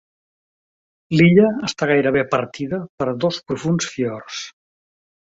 L’illa està gairebé partida per dos profunds fiords.